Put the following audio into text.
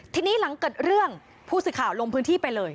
ทีนี้หลังเกิดเรื่องผู้สื่อข่าวลงพื้นที่ไปเลย